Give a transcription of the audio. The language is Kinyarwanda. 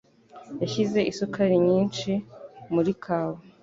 Yashyize isukari nyinshi muri kawa.